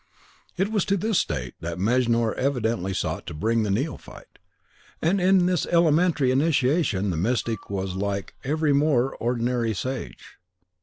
It was to this state that Mejnour evidently sought to bring the neophyte, and in this elementary initiation the mystic was like every more ordinary sage.